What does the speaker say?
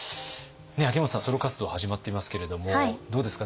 秋元さんソロ活動始まっていますけれどもどうですか？